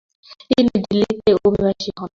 তিনি দিল্লীতে অভিবাসী হন।